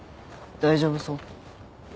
大丈夫そう？